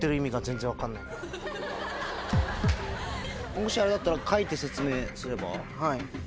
もしあれだったら書いて説明すれば？